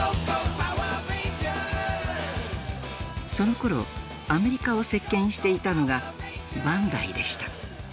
そのころアメリカを席けんしていたのがバンダイでした。